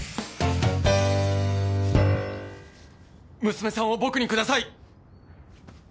娘さんを僕にください！